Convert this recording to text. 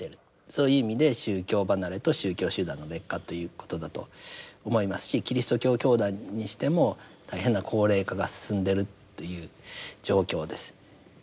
そういう意味で宗教離れと宗教集団の劣化ということだと思いますしキリスト教教団にしても大変な高齢化が進んでいるという状況です。